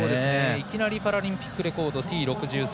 いきなりパラリンピックレコードＴ６３。